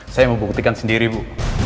saya mau buktikan sendiri bu